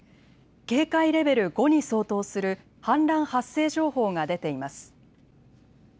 警戒レベル５に相当する氾濫発生情報が出ています。